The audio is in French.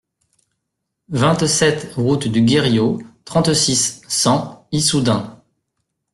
vingt-sept route du Guerriau, trente-six, cent, Issoudun